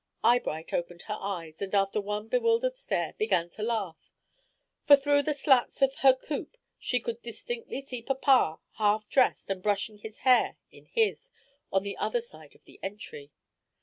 Eyebright opened her eyes, and after one bewildered stare began to laugh, for through the slats of her "coop," she could distinctly see papa, half dressed, and brushing his hair in his, on the other side of the entry.